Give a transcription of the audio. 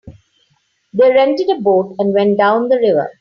They rented a boat and went down the river.